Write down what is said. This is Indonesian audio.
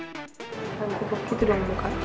lalu kubuk gitu dong mukanya